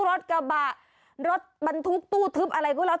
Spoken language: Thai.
รถกระบะรถบรรทุกตู้ทึบอะไรก็แล้ว